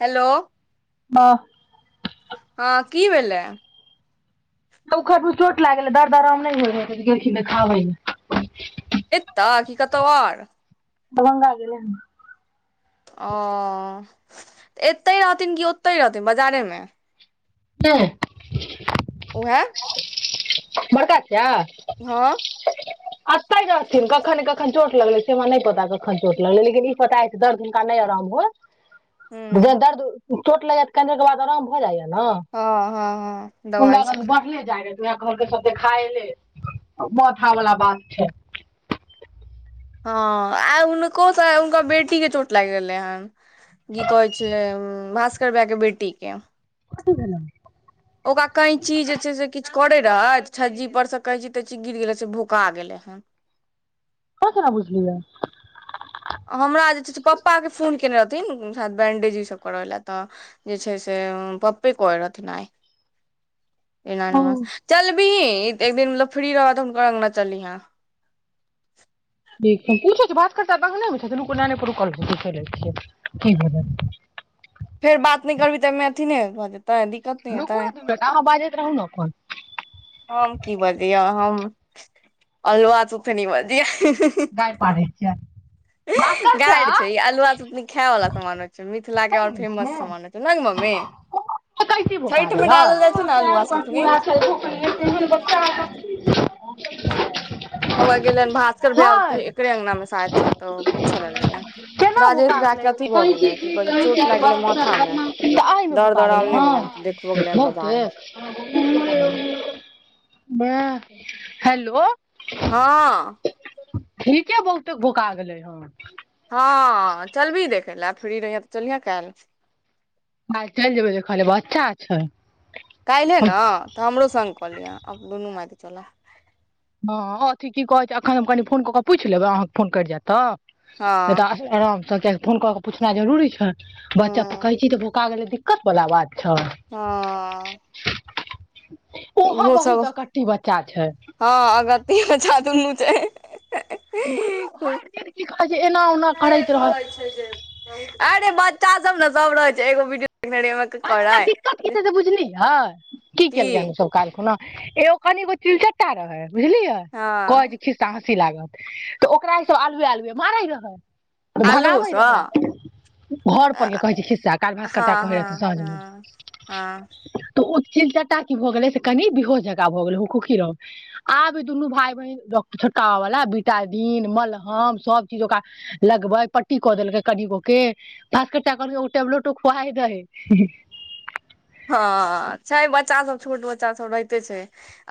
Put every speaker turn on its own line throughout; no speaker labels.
Hello
हँ
हँ की भेलै
उख चोट लाग गेलै दर्द आराम नहि हो रह गेलखिनाबै ल
ए तऽ की कतौ आर
दभङंगा गेल ह
ओऽ एत्तहि रहथिन कि ओतहि रहथिन बाजारेमे
हँ
हँ
प्र जा
हँ
अते रहथिन कखन कखन चोट लगले छै हमरा पता चोट लगल लेकिन ई पता दर दिन काल नहि आराम हो
हूँ
द दर दू ोट लेया तऽनेर के बाद आराम भ जाइया ने
हँ हँ हँ दवाइ सुखला
नहि त देखाल मथा वला बध छै
हँ आइ हुनकोसँ हुनकर बेटी के चोट लागि गेलै हन की कहै छै भास र बए के बेटी के
कटी भेलेलहुँ
ओकरा कैंची जे छै से किछु करे रहै छज्जी पर से कहै छी तैी गिर गेलै से भुका गेलै हन
क केना बुझलियै
हमरा जे छै से पप्पाकेँ फोन कयने रहथिन शायद बैंडेज इसभ करय लेल तऽ जे छै से पप्पे कहै रहथिन आइ एना चल ी एक दिन मतलब फ्री रहा तऽ हक रङगना चली यहाँ
देखूछ बात करता त नहि छ भेल
फेर बात नहि करबी तऽमे अथी नहि जेै
रूकू न त त त बाजैत रहू न कोन
हम की बजियै हम अल्आा चूथनी बजियै
गााय पढ़ै छै
गार छै ई अल्ा सब खाय वाला समान छै मिथिला के आओर फेमस सान ने मम्मी
कैसे भोका
छठि
गेलै
मे डालल जाइ छै ने अल्
पैर पर
सबनी
पूरा छै भुखले तेहन बच्चा
ह गेल ने भ
ह
पूछऽ लेल गेलै
केना
राजेश
भूका
भैया के अथी भऽ गेलै की कहै छै चोट लागि गेलै माथा मे
गेलमे
दर्द
भूका गेल
आराम
ह
नहि भेलैन देखबो गेलैन बजार में।
बहु हेलो
हँ
ठीके बहुते भोंका गेलै हन
हाँ चलविहीं देख पहिल फ्री रहै अब चलिहें काल्हि
आइ चलि जेबै देखऽ लए बच्चा छै
काल्हिे
हँ
न तऽ हमरो सङ्ग कऽ लिहां दुनू माइधी चला
हँ अथि की कहैत छै एखन हम कनि फोन कऽ कऽ पूछि लेबै अहाँकेँ फोन करि जायत तऽ
हँ
तऽ तऽ क्याकि फोन कऽ कऽ पूछनाए जरूरी छै बच्चा प
हँ
कैंची तऽ भोंका गेलै दिक्कत बला बात छै
हाँ
ओहो बहुत एकट्ठी बच्चा छै
हाँ अगत्तीयै बच्चा दुनू छै
दुनू भरि दिन की कहै छै एना ओना करैत रहत
अरे बच्चा सब न सब रहै छै एगो वीडियो
अरे ओकरा दिक्कत की
[unintelligible]
छै से बुझलियै की केलकै हन उ सब काल्हि खुना ए एगो चिलचट्टा रहै है बुझलियै कहै
हँ
के खिस्सा अथि लागल तऽ ओकरा ई सब आलुए आलुए मारै रहै तऽ भगाबै
आलूसँ
रहै घर पर के
हँ
कहै छी खिस्सा काल्हि भास्कर चचा
हँ
कहै रहैथिन साँझमे
हँ हँ
तऽ ओ चिलचट्टा की भऽ गेलै से कनि बेहोंस जंका भए गेलै हुकहुकी रहै आब दुनू भाइ बहिन छड़ीकाबै वला बिटाडीन मलहम सब चीज ओकरा लगबै पट्टी कऽ देलकै कनिगोके भास्कर चचा कहलखिन एगो टेबलेटो खुआदिहींन हूँ
हाँ छै बच्चा सब छोट बच्चा सब रहितै छै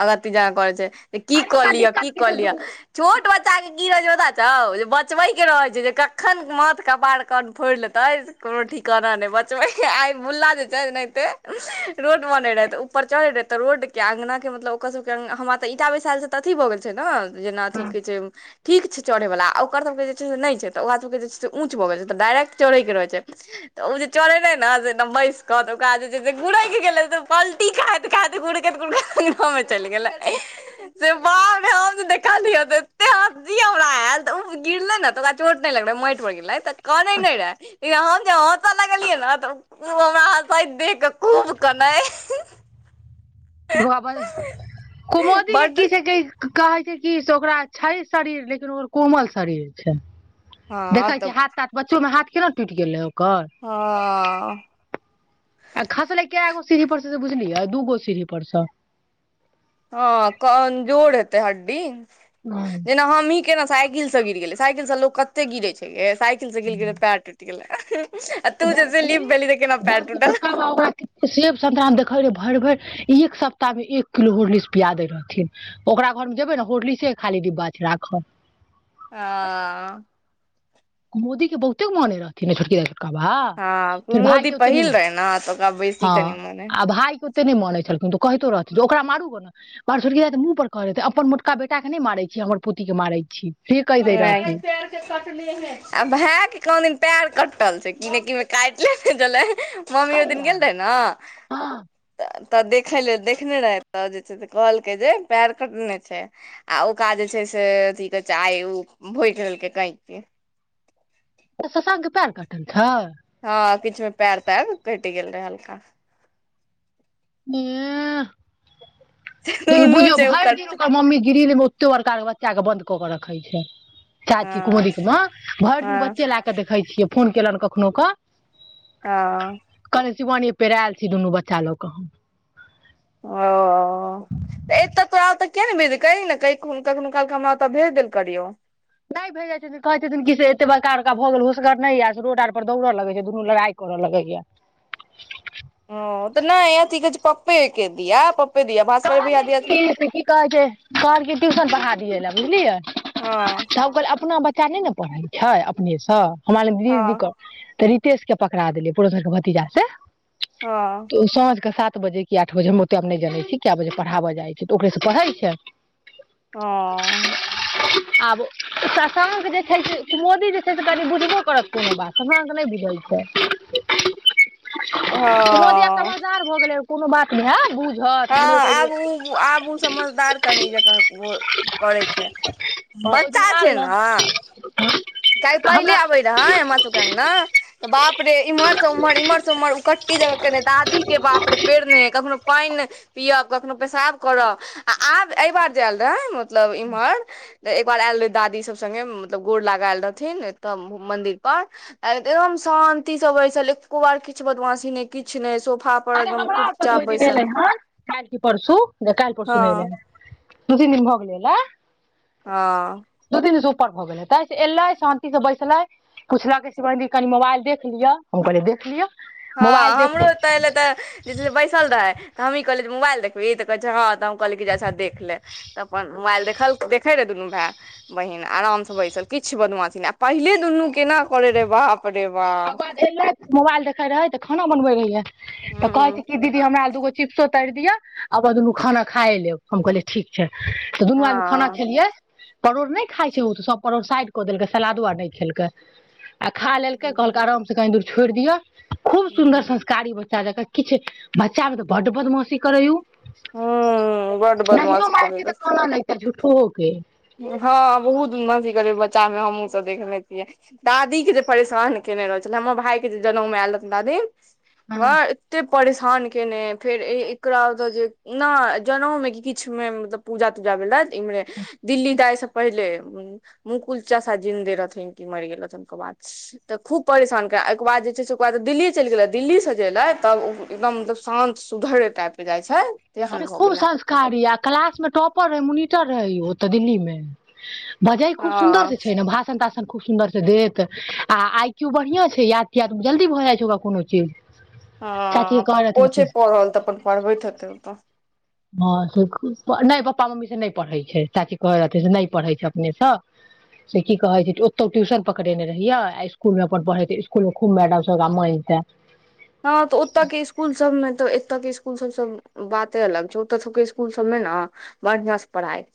अगत्ती जंका करै छै तऽ की
अरे
कऽ
ओकरा
लिअ
दिक्कत
की कऽ
छै
लिअ छोट बच्चा की रहै छै पता छौ जे बचबैके रहै छै जे कखन माथ कपार कान फोड़ि लेतै से कोनो ठिकाना नै बचबैके आइ भुल्ला जे छै ओनाहिंतै रोड बनै रहै तऽ ऊपर चढ़ै रहै तऽ रोड के आँगना के मतलब ओकर सबके हमरा तऽ ईंटा बैसायल छै तऽ अथी भऽ गेल छै न जेना अथि कहै छै ठीक छै चढ़ैवला आ ओकर सभके जे छै से नहि छै तऽ ओकरा सभके जे छै से ऊँच भऽ गेल छै तऽ डायरेक्ट चढ़ैके रहै छै तऽ ओ जे चढ़लै नऽ एकदम बैसकऽ तऽ ओकरा जे से जें गुड़ैक गेलै पलटी खाइत खाइत गुड़कैत गुड़कैत अँगनामे चलि गेलै से बाप रे हम जे देखलियै एत्ते हँसी हमरा आएल तऽ उ-जे गिरलै नै ओकरा चोट नहि लगले माटि पर गिरलै तऽ कानै नहि रहाए एहन से हँसऽ लगलियै न उ हमरा हँसैत देख खूब कनै
बौआ बज कुमोदी के
बड्ड
की छै की-क कहै छै कि से ओकरा छै शरीर लेकिन ओकर कोमल शरीर छै
हँ
देखै छियै हाथ ताथ बच्चों में हाथ केना टुटी गेल लै
ह
आ खसलै कैगो सीढ़ी पड़सँ से बुझलियै दूगो सीढ़ी पड़सँ
हाँ कमजोर जोड़ हेतै हड्डी
सँ
जेना हमहीं के न सा- साइकिल से गिर गेले साइकिल से लोग कते गिरै छै यै साइकिल से गिल गेलै पैर टुटी गेलै आ तू जे
जबकि
स्लिप भेलही तऽ केना पैर
जबकि
टूटल
छोटका बाब सेव संतरा देखल भरि भरि एक सप्ताहमे एक किलो हार्लिक्स पिया दैत रहथिन ओकरा घरमे जेबै ने हर्लिक्से खाली डिब्बा छै राखल
आ
मोदी के बहुते मानने रहथिन है छोटकी द
हँ मोदी पहिल रहे ने तऽ ओकरा बेसी कनि मानै
कते नहि मानैत छलखिन तो कहतो रहथि जे ओकरा मारू गो ने हमर छड़की काकी त मुँह पर कह रहै अपन मोटका बेटा के नहि मारै छी हमर पोती के मारै छी से कहि
क
दै रहथिन
पैर के कटने है आ भाय के कहादिन पैर कटल छै कि ने कि में काइट लेने छले मम्मी ओ दिन
कहिया
गेल रहै
हँ
ने तऽ देखे ल देखने रहै तऽ जे से कहलकै जे पैर कटने छै आ ओकरा जे छै से अथी कह छै आइ ओ भोकि देलकै कैचि
त शशांक के पैर कटल छै
हँ किछ में पैर तैर कटि गेल रहे हल्का
ह देख
नुनू
बुझियो
छै ओ
भरि दिन
करतै
ओकर मम्मी ग्रिल में ओतो बड़का बच्चा के बन्द कऽ के रखै छै चाची
हँ
कुमरिक में भरि दिन
हँ
बच्चे ला क देखै छियै फोन केलनि कखनो कऽ
हँ
शिमानी पेरायल छी दुनू बच्चा लऽ क हम
ओ तऽ एतऽ तोरा ओतऽ किया नहि भेजी ने क कखनो कालके हमरा ओतऽ भेज देल करियौ
नहि भेज जाइत छथिन कहै छथिन कि से एतेक बड़का बड़का भऽ गेल होशगर नहि य से रोड आर पर दौड़य लगै छै दुनू लड़ाइ करय लगैए
ह तऽ नहि अथी क छै पप्पे के दिया प
कहलियै की से की कहै छै कहल के टियूशन पराह दिएलै बुझलियै
हँ
त कहल अपना बच्च च्च नहि ने पढ़ै छै अपनेसँ हमर दीदी दीदी
हँ
कह तऽ दीदी तेस के पकड़ा देलियै पुर धर के भतीजा से
हँ
तऽ साँझके साथ ात बजे आठ बजे हम ओतेब नहि जान छी कए बजे पढ़ाबऽ जाइ छै तऽ ओकरेसँ पढ़ै छै
हँ
आब शशांक जे छै से मोदी जे छै से कनि बुझबो करत कोनो बात शशांक नइ बुझै छै मोदिया
हँ
समझदार भ गेलै कोनो बात भैल बुझल
हँ आब ऊ आब ओ समझदार कनी जेका करै छै
ओहि दिन
बच्चा छै
आयल
ने काह
आ
पहिले
हमरा
आबे रहै हमरासके अङ्ग ने तऽ बाप रे इम्हरसँ उम्हर इम्हर से उम्हर उकट्टी जगह के दादीके बाप रे पेड़ नहि कखनो पानि नहि पियअब कखनो पेशाब करऽ आ आब एहिबार आयल रहै मतलब इमार त एकबार आयल रहे दादी सब संगगे मतल गोड़ लगाायल रहथिन मदिर परदम शानंि सब बैस एको बार किछु बदमाशी नहि किछु नहि सोफा पर
अरे
एकदम
हमरा आर पर जे
चुपचाप
ओहि दिन एलै
बैसल
हेन काल्हि क परसू काल्हि परसू
हँ
नहि एलै हँ नुदी निम होग गेलिय अल
हँ
द तन स ऊर भ गेले तां से एले शानंि से बैसले पुछल सवी कनि मोबाइल देख लियअ हम कहहिले देख लिअ
हँ
मोबाइल
हमरो
देख
तऽहिलए तऽ जे से बैसल रहै तऽ हमी कहलियै मोबाइल देखबै ई तऽ कहै छै हँ त कहल जेा देख ले तऽ अपन मोबाइल देख देखल देखे रहे दुनू भाय बहिन आरामसँ बैसल किछु बदुआथिीन आ पहिले दुनू केना करे रहे बाप रे
आ
बाप
ब मोबाइल देखे रह तऽ खाना बनबै रहियै तऽ कहै छै
हूँ
कि दीदी हमरा दूगो चिप्सो त दिया आ बाद दुनू खाना खाए लेब हम कहलियै ठीक छै तऽ दुनू आदमी खाना
हँ
खेलियै परोड़ नहि खाइ छै ओ तऽ सभ परोड़ साइड कऽ देलकै सलादो आर नहि खेलकै आ खा लेलक कहल आाम सेी छोड़ि दिअ खूब सुन्दर संस्कारी ब किछु बच्चा मे त ब् बदमसी करै
हूँ बड
नहिो
बदमाशी करै
मारती तऽ
रहै
कोना ले झूठ ठोक
हँ बहुत नथी करबै बच्चामे हमहूँसभ देखने छियै दादीके जे परेशान केयने रह छलै हमर भायके जे जनउमे आयल रहथि दादी
हँ
वऽ एत्ते परेशान कएने एय फेर ए-एकरा ओतऽ जे नहि जनउमे की किछमे मतलब पूजा तूजा भेलै इम्मरे दाइ से पहिले मुकुल चासा जिंन्दे रहथिन कि मरि गेल रहथिन ओ बाद तऽ खूब परेशान कर ओके बाद जे छै से ओकर बाद दिल्ली चलि गेले दिल्ली से जे ले तब ओ एकदम मतलब शान्त सुधर टाइप के जाइ छै तेहन
अरे
भऽ
खूब
गेलै
संस्कारी आ क्लासमे टॉपर रहै मुनि- -टर रहै ओ ओतऽ दिल्लीमे बजै खूब सुन्दर
हँ
स छै ने भाषण ताषण तऽ खूब सुन्दरसँ देत आ आईक्यू बढ़ियाँ छै याद तियाद जल्दी भऽ जाइ छै ओकरा कोनो चीज चाची
हाँ
कहै
पप्पो
रहथिन कि
छै पढ़ल तऽ अपन पढ़बैत हेतै ओतऽ
हाँ से-नहि पपा मम्मी से नहि पढ़ै छै चाची कहैत रहथिन से नहि पढ़ैत छै अपनेसँ से की कहै छै ओतहु ट्यूशन पकड़ेने रहियै आ इस्कूलमे अपन पढ़े छै इस्कूलमे खूब मैडमसभ ओकरा मैनताऽ
हँ तऽ ओतऽ के स्कूल सबमे तऽ एत्तेके स्कू- -स्कूल सब सब बाते अलग छै ओत सबके स्कूल सबमे नऽ बढ़ियाँ से पढ़ाई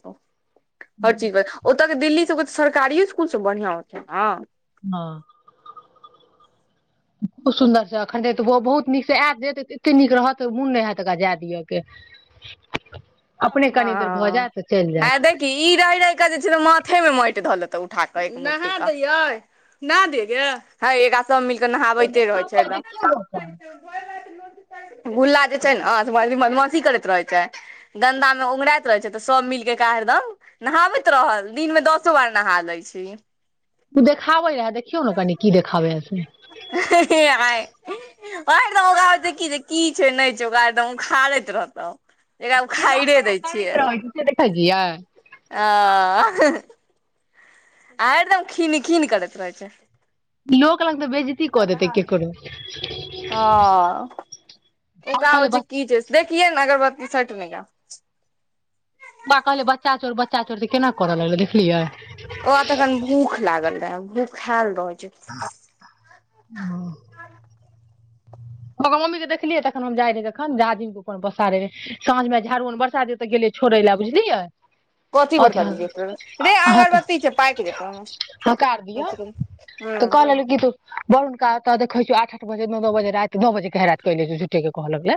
हर चीजमे ओतके दिल्ली सबके सरकारीए स्कूल सब बढ़ियाँ होतै नऽ
हाँ बहुत सुन्दर छै एखन एतबो बहुत नीक से आयत जे एते नीक रहत तऽ मन नहि हाएत ओकरा जाऽ दिअ के अपने कनी देर भऽ
हाँ
जायत चलि
आ
जायत
देखीहिं ई रहि रहिक जे छै माथेमे मांटि घऽ तऽ उठा कऽ नहा दियै नहा दियै गे हेय राख- सब मिलकऽ
ओ
नहाबैते रहै छै
देखाबै
एकदम
देखियौ ने अपन
भुल्ला जे छै न बड़ी बदमाशी करैत रहैत छै गन्दामे उघंराइत रहै छै तऽ सब मिलके ऐकरा हरदम नहाबैत रहै छै दिनमे दसो बार नहा दै छै
उ देखाबै या देखियौ ने कनि से की देखाबैया से
हँ-हँ-हीं-आइ भैर दिन उखाड़ै की छै नहि छै ओकरा एकदम उखाड़ैत रहतऽ एकरा उखाड़ै दै छियै
रहै छै से देखै छियै
आ- हीं-ह आ हरिदम खिन-खिन करैत रहैत छै
लोक लंग तऽ बेज्जती कऽ देतै ककरो
हाँ
हम
एकरा होइ
कहलियै
छै
बच
की छै देखियै नऽ अगरबत्ती [unintelligible]
बा-कहलियै बच्चा चोर बच्चा चोर तऽ केना करऽ लगलै देखलियै
ओ तखन भूख लागल रह भख ख्ययाल रहै छै [inaudible]
हमर मम्मी के देखलियै तखन हम जाइ रहै तखन जाजीम अपन पसारे रहै साँझमे झाड़ू न बरसा जे ओतऽ गेलियै छोड़ै लाए बुझलियै
कथी बड़का दीदी रे
अथि-ह-अहाँके
अगरबत्ती छै पाकि जेतौ
हकार दिअ
ह
तऽ कहऽ लगलै कि तू वरुणका ओतऽ देखै छियौ आठ-आठ दो बजे स न बजे रैत तऽ नओ बजेके हैरात कहि लै छी झुठेके कहऽ लगलै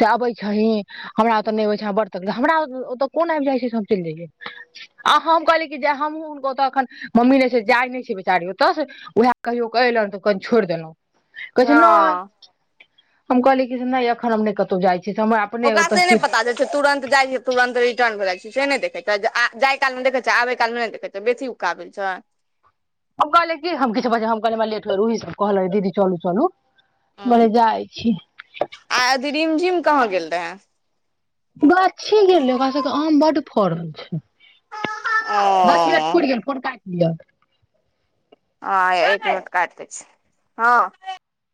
से अबै छहीं हमरा ओतऽ नहि अबै छह ब्रतक हमरा ओतऽ कोन आबि जाइ छै से हम चलि जइयै आ हम कहलियै कि जे हमहूँ हुनको ओतऽ एखन मम्मी नहि से जाइ नहि छै बेचारी ओतऽ वएह कहियओ क अलनि तऽ कनि छोड़ि देलहुँ कहै छै नहि
हँ
हम कहली कि से नहि यखन हमने कतहु जाइ छी से हमरा अपने
ओकरा से नहि
ओतऽ
पता चइ छै तुरन्त जाइ छै तुरन्त रिटर्न भए जाइ छै से नहि देखैत छ जाय काल मे देखैत छ आबे काल मे नहि देखैत छ बेसी उकाब छ
हम कहले कि हम किछ बजे हम कहल लेट कहलै दीदी चलू चलू कहलियै
ह
जाइ छी
आध रीमझीम कहाँ गेल रहे हैं
गाछी गेलै ओकरा सबके आम बड्ड फड़ल छै दश मिनट
ओ
पूरी गेल फोन काट याद
हत कटतै छै हँ